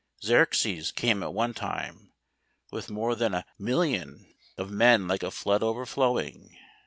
Xerxes came at one time, with more than a million of 4* 42 GREECE. men, like a flood overflowing.